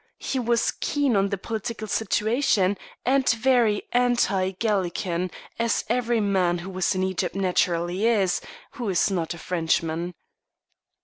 He was keen on the political situation, and very anti Gallican, as every man who has been in Egypt naturally is, who is not a Frenchman.